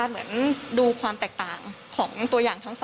ใช่ค่ะ